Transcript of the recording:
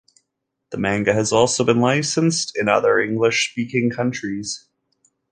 The manga has also been licensed in other English-speaking countries.